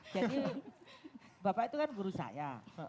jadi bapak itu kan guru saya